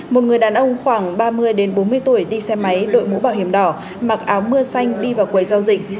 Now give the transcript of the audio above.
một người đàn ông khoảng ba mươi bốn mươi tuổi đi xe máy đội mũ bảo hiểm đỏ mặc áo mưa xanh đi vào quầy giao dịch